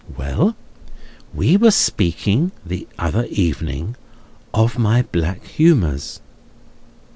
"Well. We were speaking, the other evening, of my black humours."